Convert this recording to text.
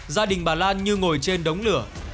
gia đình bà lan như ngồi trên đống lửa